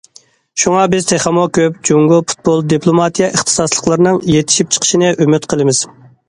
شۇڭا بىز تېخىمۇ كۆپ جۇڭگو پۇتبول دىپلوماتىيە ئىختىساسلىقلىرىنىڭ يېتىشىپ چىقىشىنى ئۈمىد قىلىمىز.